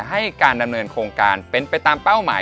ให้การดำเนินโครงการเป็นไปตามเป้าหมาย